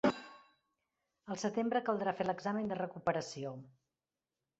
Al setembre caldrà fer l'examen de recuperació.